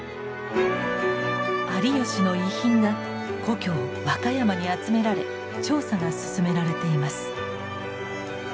有吉の遺品が故郷和歌山に集められ調査が進められています。